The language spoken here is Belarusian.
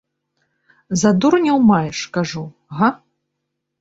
За дурняў маеш, кажу, га?